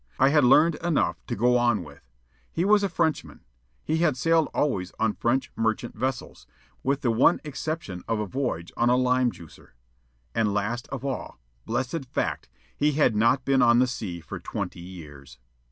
I had learned enough to go on with. He was a Frenchman. He had sailed always on French merchant vessels, with the one exception of a voyage on a "lime juicer." And last of all blessed fact! he had not been on the sea for twenty years.